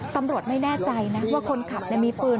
ตำรวจไม่แน่ใจนะว่าคนขับมีปืน